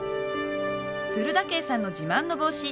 ドゥルダケイさんの自慢の帽子